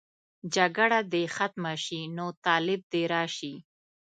جګړه دې ختمه شي، نو طالب دې راشي.